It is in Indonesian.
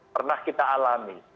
pernah kita alami